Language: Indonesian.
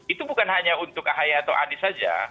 itu bukan hanya untuk ahai atau anis saja